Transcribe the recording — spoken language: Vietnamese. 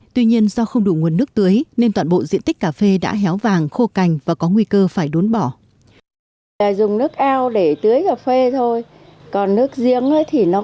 tuy nhiên do không đủ nguồn nước tưới nên toàn bộ diện tích cà phê đã héo vàng khô cành và có nguy cơ phải đốn bỏ